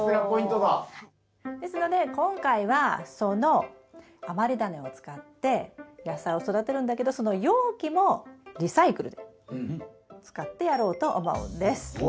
ですので今回はその余りダネを使って野菜を育てるんだけどその容器もリサイクルで使ってやろうと思うんです。